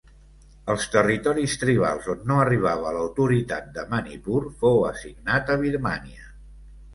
Els territoris tribals on no arribava l'autoritat de Manipur fou assignat a Birmània.